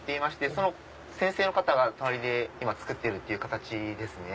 その先生の方が隣で今作っているって形ですね。